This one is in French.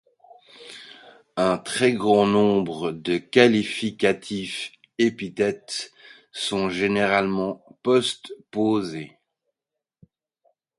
Un très grand nombre de qualificatifs épithètes sont généralement postposés.